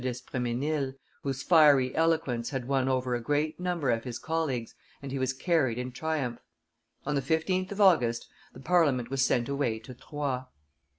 d'Espremesnil, whose fiery eloquence had won over a great number of his colleagues, and he was carried in triumph. On the 15th of August the Parliament was sent away to Troyes.